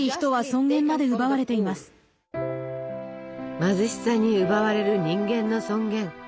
貧しさに奪われる人間の尊厳。